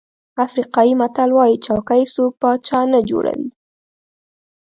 افریقایي متل وایي چوکۍ څوک پاچا نه جوړوي.